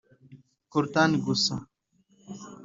Coltan gusa